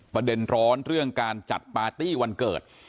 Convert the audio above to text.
ประเด็นร้อนเรื่องการจัดปาร์ตี้วันเกิด